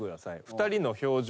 ２人の表情。